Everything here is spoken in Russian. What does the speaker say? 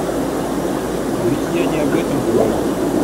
Да ведь я не об этом говорю